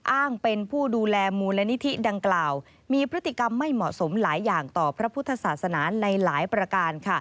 อ้างเป็นผู้ดูแลมูลนิธิดังกล่าวมีพฤติกรรมไม่เหมาะสมหลายอย่างต่อพระพุทธศาสนาในหลายประการ